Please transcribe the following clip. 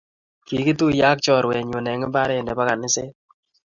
kikituyee ak chorwenyu eng mbaree ne bo kaniset